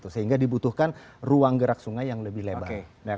sehingga dibutuhkan ruang gerak sungai yang lebih lebar